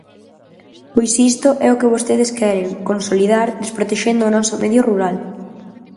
Pois isto é o que vostedes queren consolidar, desprotexendo o noso medio rural.